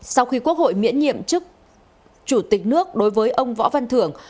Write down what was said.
sau khi quốc hội miễn nhiệm chức chủ tịch nước đối với ông võ văn thưởng